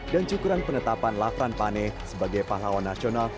dan cukuran penetapan lafran pane sebagai pahlawan nasional